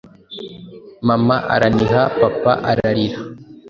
Mama araniha, papa ararira,